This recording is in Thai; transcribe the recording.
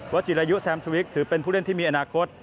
จิรายุแซมสวิกถือเป็นผู้เล่นที่มีอนาคต